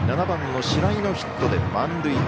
７番の白井のヒットで満塁。